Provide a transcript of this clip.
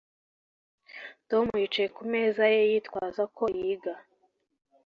Tom yicaye ku meza ye yitwaza ko yiga